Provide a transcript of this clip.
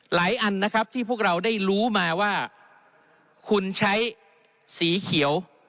อันนะครับที่พวกเราได้รู้มาว่าคุณใช้สีเขียว